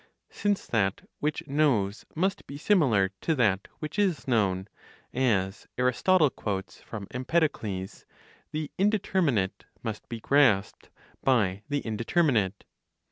Since that which knows must be similar to that which is known (as Aristotle quotes from Empedocles), the indeterminate must be grasped by the indeterminate.